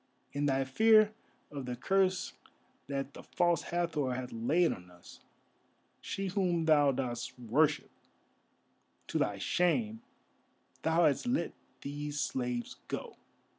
In thy fear of the curse that the False Hathor hath laid on us, she whom thou dost worship, to thy shame, thou hast let these slaves go.